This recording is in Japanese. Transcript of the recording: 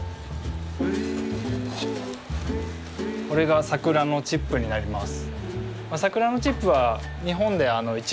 これがサクラのチップになります。